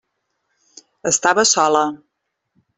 Estava sola.